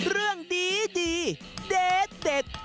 เรื่องดีเด็ด